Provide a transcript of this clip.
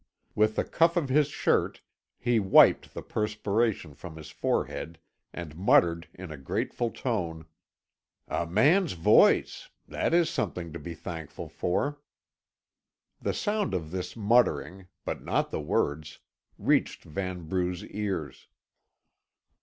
With the cuff of his shirt he wiped the perspiration from his forehead, and muttered in a grateful tone: "A man's voice! That is something to be thankful for." The sound of this muttering, but not the words, reached Vanbrugh's ears.